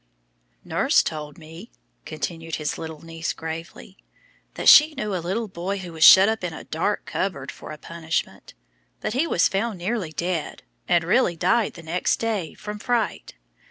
"Nurse told me," continued his little niece gravely, "that she knew a little boy who was shut up in a dark cupboard for a punishment; but he was found nearly dead, and really died the next day, from fright.